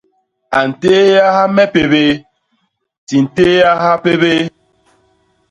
A ntééaha me pébéé, di ntééaha pébéé.